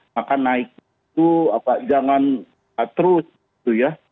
maka naiknya itu jangan terus gitu ya